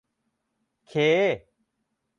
เค้